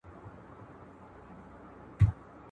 دا تجربې له هغې ګټورې دي.